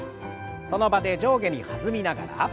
その場で上下に弾みながら。